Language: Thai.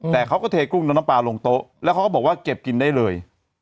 แต่เขาก็เทกุ้งแล้วน้ำปลาลงโต๊ะแล้วเขาก็บอกว่าเก็บกินได้เลย